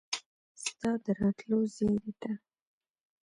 ستا د راتلو زیري ته